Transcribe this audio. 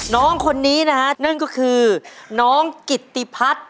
น้องคนนี้นะฮะนั่นก็คือน้องกิตติพัฒน์